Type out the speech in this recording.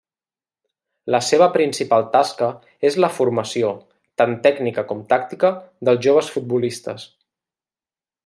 La seva principal tasca és la formació, tant tècnica com tàctica, dels joves futbolistes.